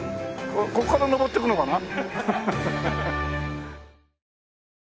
ここから上っていくのかな？